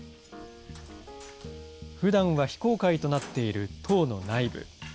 ふだんは非公開となっている塔の内部。